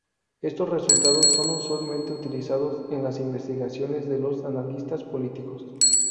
Estos resultados son usualmente utilizados en las investigaciones de los analistas políticos.